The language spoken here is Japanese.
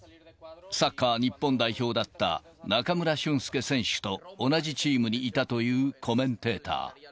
サッカー日本代表だった中村俊輔選手と同じチームにいたというコメンテーター。